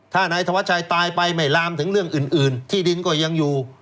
ถ้านายธวัชชัยตายไปไม่ลามถึงเรื่องอื่นที่ดินก็ยังอยู่